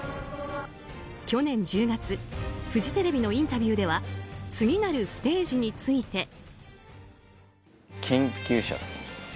去年１０月フジテレビのインタビューでは次なるステージについて。